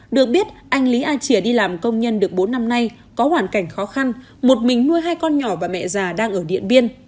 được biết anh lý a chìa đi làm công nhân được bốn năm nay có hoàn cảnh khó khăn một mình nuôi hai con nhỏ và mẹ già đang ở điện biên